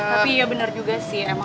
tapi iya bener juga sih